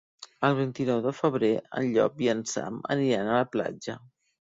El vint-i-nou de febrer en Llop i en Sam aniran a la platja.